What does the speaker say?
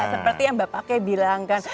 seperti yang bapaknya bilang kan